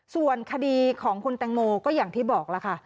ส่วนคดีของคุณแตงโมก็อย่างที่บอกแล้วค่ะ